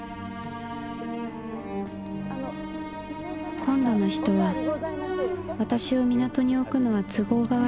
「今度の人は私を港に置くのは都合が悪いと言う。